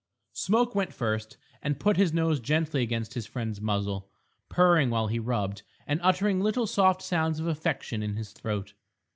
Smoke went first and put his nose gently against his friend's muzzle, purring while he rubbed, and uttering little soft sounds of affection in his throat.